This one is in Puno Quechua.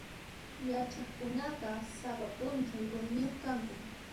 Yachaqkunaqa sapa p'unchay ruwayniyuq kanku.